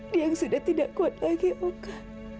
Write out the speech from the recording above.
dia yang sudah tidak kuat lagi oke